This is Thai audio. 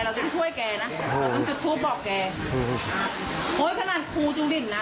เราจะช่วยแกนะต้องจุดทูบบอกแกโอ้ยขนาดครูจุดิ่นน่ะ